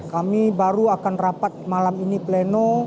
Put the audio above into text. kami baru akan rapat malam ini pleno